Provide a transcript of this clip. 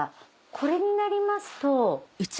これになりますと。